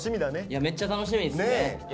いやめっちゃ楽しみっすね。